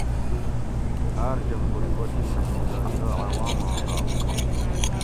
ھاۤر جمھوری اوطِن مئ مظاھرہ عواماں حق